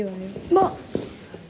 まあ！